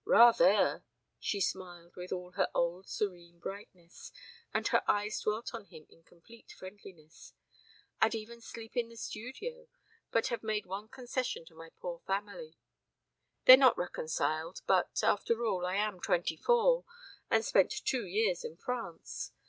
"Rather!" She smiled with all her old serene brightness and her eyes dwelt on him in complete friendliness. "I'd even sleep in the studio, but have made one concession to my poor family. They're not reconciled, but, after all, I am twenty four and spent two years in France.